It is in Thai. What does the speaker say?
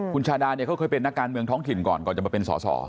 คุณชาดาเนี่ยเขาเคยเป็นนักการเมืองท้องถิ่นก่อนก่อนจะมาเป็นสอสอ